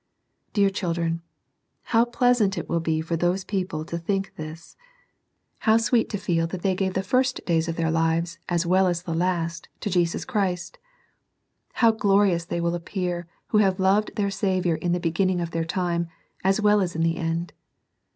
Dear children, how pleasant it will be for those people to think this ! How sweet to feel that they gave the first days of their lives as well as the last to Jesus Christ ! How glorious they will appear who have loved their Saviour in the beginning of their time, as well as in the end.